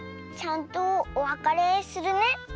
ちゃんとおわかれするね。